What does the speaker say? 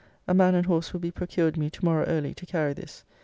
A man and horse will be procured me to morrow early, to carry this.